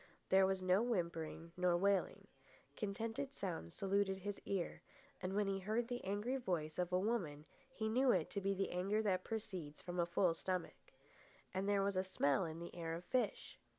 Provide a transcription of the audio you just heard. There was no whimpering nor wailing. Contented sounds saluted his ear, and when he heard the angry voice of a woman he knew it to be the anger that proceeds from a full stomach. And there was a smell in the air of fish.